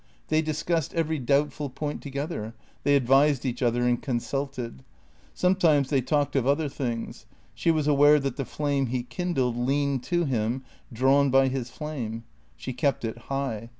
They discussed every doubtful point together, they advised each other and consulted. Sometimes they talked of other things. She was aware that the flame he kindled leaned to him, drawn by his flame. She kept it high.